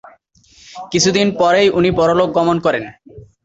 কিছুদিন পরেই উনি পরলোকগমন করেন।